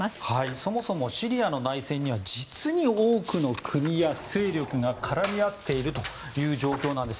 そもそもシリアの内戦には実に多くの国や勢力が絡み合っているという状況なんです。